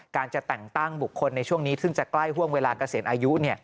การจะแต่งตั้งบุคคลในช่วงนี้ซึ่งจะใกล้ห่วงเวลาเกษียณอายุ